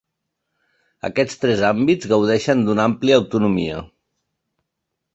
Aquests tres àmbits gaudeixen d'una àmplia autonomia.